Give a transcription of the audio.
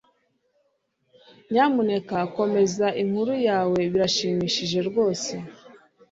Nyamuneka komeza inkuru yawe Birashimishije rwose